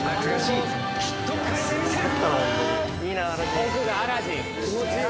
奥がアラジン。